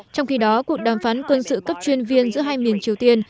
trong khi đó cuộc đàm phán quân sự cấp chuyên viên giữa hai miền triều tiên